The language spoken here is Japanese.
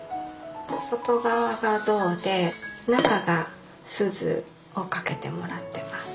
外側が銅で中がスズをかけてもらってます。